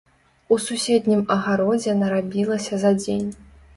У суседнім агародзе нарабілася за дзень.